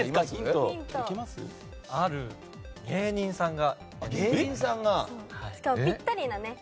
ある芸人さんが。